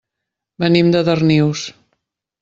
Venim de Darnius.